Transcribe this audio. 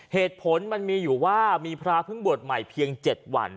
เหตุผลมันมีอยู่ว่ามีพระเพิ่งบวชใหม่เพียง๗วัน